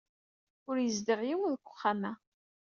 Ur yezdiɣ yiwen deg uxxam-a.